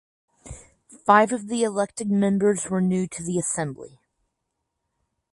Five of the elected members were new to the Assembly.